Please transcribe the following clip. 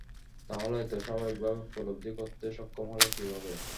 তাহলে এত স্বাভাবিকভাবে উপলব্ধি করতে সক্ষম হলে কীভাবে?